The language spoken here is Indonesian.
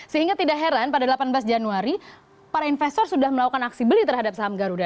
sehingga tidak heran pada delapan belas januari para investor sudah melakukan aksi beli terhadap saham garuda